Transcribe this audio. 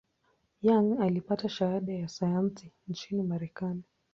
Young alipata shahada ya sayansi nchini Marekani.